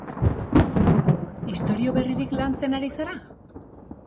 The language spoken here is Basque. Istorio berririk lantzen ari zara?